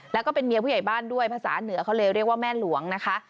แล้วก็เป็นเมียผู้ใหญ่บ้านด้วยภาษาเหนือเขาเลยเรียกว่าแม่หลวงนะคะ